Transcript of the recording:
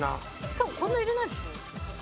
しかもこんな入れないでしょ？